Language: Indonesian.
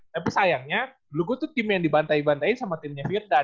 tapi sayangnya dulu gue tuh tim yang dibantai bantai sama timnya firda